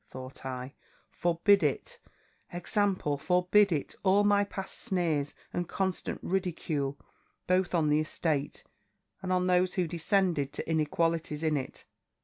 thought I; 'forbid it, example! forbid it, all my past sneers, and constant ridicule, both on the estate, and on those who descended to inequalities in it!